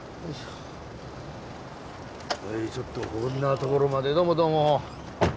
ちょっとこんな所までどうもどうも。